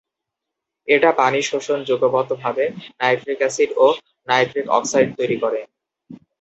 এটা পানি শোষণ যুগপৎ ভাবে নাইট্রিক এসিড ও নাইট্রিক অক্সাইড তৈরি করে।